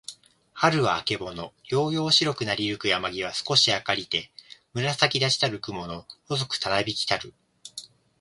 春はるは、あけぼの。やうやうしろくなりゆく山やまぎは、すこし明あかりて、紫むらさきだちたる雲くもの、細ほそくたなびきたる。